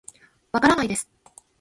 わからないです